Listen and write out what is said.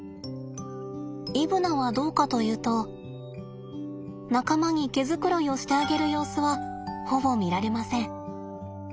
イブナはどうかというと仲間に毛繕いをしてあげる様子はほぼ見られません。